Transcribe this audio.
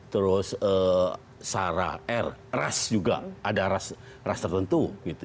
terus sara er ras juga ada ras tertentu